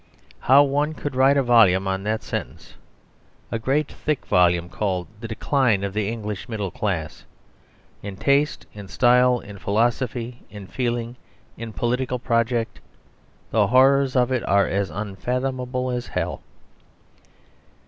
How one could write a volume on that sentence, a great thick volume called "The Decline of the English Middle Class." In taste, in style, in philosophy, in feeling, in political project, the horrors of it are as unfathomable as hell.